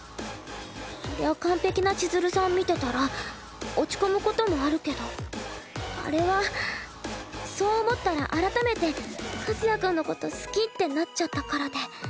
そりゃ完璧な千鶴さん見てたら落ち込むこともあるけどあれはそう思ったら改めて和也君のこと好きってなっちゃったからで。